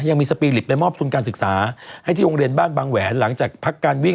ยังมีสปีลิปไปมอบทุนการศึกษาให้ที่โรงเรียนบ้านบางแหวนหลังจากพักการวิ่ง